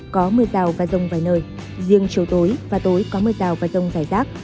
có mưa rào và rông vài nơi riêng chiều tối và tối có mưa rào và rông rải rác